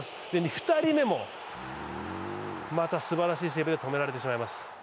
２人目もまたすばらしいセーブで止められてしまいます。